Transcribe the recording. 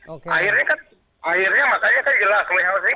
akhirnya kan makanya kan jelas wah ini berbahaya